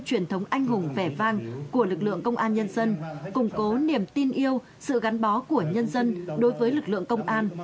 truyền thống anh hùng vẻ vang của lực lượng công an nhân dân củng cố niềm tin yêu sự gắn bó của nhân dân đối với lực lượng công an